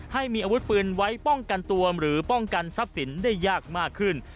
ให้มีอาวุธปืนไว้ป้องกันตัวหรือป้องกันทรัพย์สินได้ยากมากขึ้น